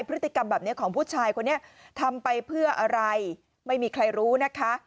พฤติกรรมแบบนี้ของผู้ชายคนนี้ทำไปเพื่ออะไรไม่มีใครรู้นะคะ